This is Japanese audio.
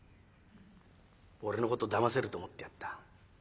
俺のことだませると思ってやんだ。